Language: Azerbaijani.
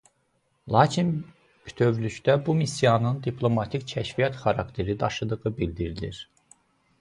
Lakin bütövlükdə bu missiyanın diplomatik kəşfiyyat xarakteri daşıdığı bildirilir.